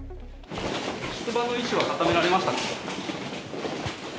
出馬の意思は固められましたか？